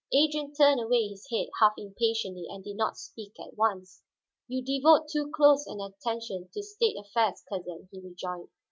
Adrian turned away his head half impatiently, and did not speak at once. "You devote too close an attention to state affairs, cousin," he rejoined.